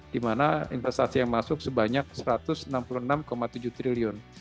di mana investasi yang masuk sebanyak rp satu ratus enam puluh enam tujuh triliun